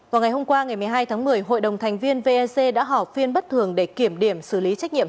vào ngày hôm qua ngày một mươi hai tháng một mươi hội đồng thành viên vec đã họp phiên bất thường để kiểm điểm xử lý trách nhiệm